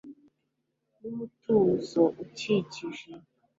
numutuzo ukikije